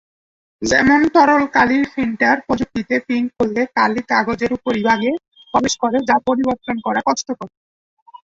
যেমন তরল কালির প্রিন্টার প্রযুক্তিতে প্রিন্ট করলে কালি কাগজের উপরিভাগে প্রবেশ করে যা পরিবর্তন করা কষ্টকর।